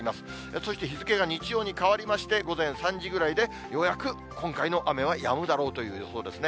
そして日付が日曜に変わりまして、午前３時ぐらいで、ようやく今回の雨はやむだろうという予想ですね。